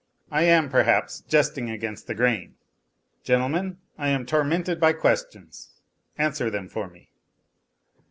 I am, perhaps, jesting against the grain. Gentlemen, I am tormented by questions ; answer them for me.